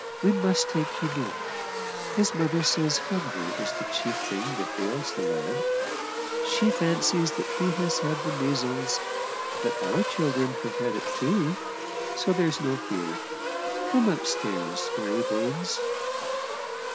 We must take him in; his mother says hunger is the chief thing that ails the lad. She fancies that he has had the measles; but our children have had it too, so there's no fear. Come up stairs, Mary Baines."